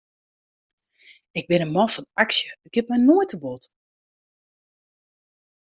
Ik bin in man fan aksje, it giet my noait te bot.